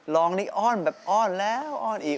รองนี้อ้อนแบบอ้อนแล้วอ้อนอีก